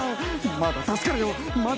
まだ助かる！